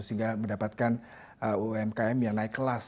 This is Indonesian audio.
sehingga mendapatkan umkm yang naik kelas